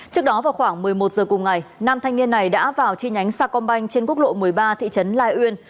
trước đó vào khoảng một mươi một giờ cùng ngày nam thanh niên này đã vào chi nhánh sa công banh trên quốc lộ một mươi ba thị trấn lai uyên